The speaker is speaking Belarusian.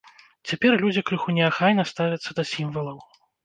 Цяпер людзі крыху неахайна ставяцца да сімвалаў.